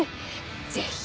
ぜひ。